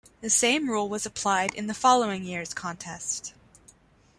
The same rule was applied in the following year's contest.